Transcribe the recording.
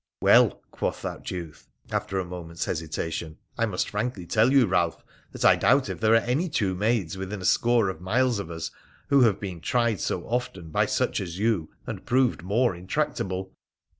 'Well,' quoth that youth, after a moment's hesitation, ' I must frankly tell you, Balph, that I doubt if there are any two maids within a score of miles of us who have been tried so often by such as you and proved more intractable.